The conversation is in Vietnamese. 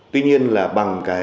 tuy nhiên là bằng